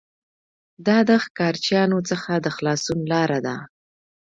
دا د ښکارچیانو څخه د خلاصون لاره ده